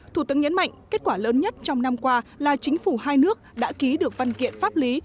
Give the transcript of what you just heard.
thủ tướng nhấn mạnh kết quả lớn nhất trong năm qua là chính phủ hai nước đã ký được văn kiện pháp lý